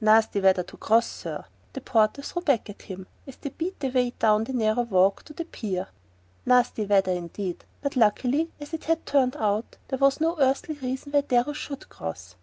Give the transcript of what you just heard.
"Nasty weather to cross, sir," the porter threw back at him as they beat their way down the narrow walk to the pier. Nasty weather, indeed; but luckily, as it had turned out, there was no earthly reason why Darrow should cross.